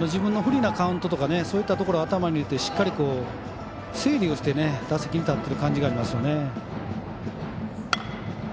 自分の不利なカウントとかそういったところを頭に入れてしっかり整理をして、打席に立ってる感じがありますよね。